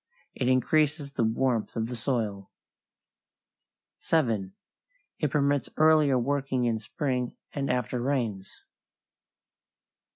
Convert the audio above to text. It increases the warmth of the soil. 7. It permits earlier working in spring and after rains.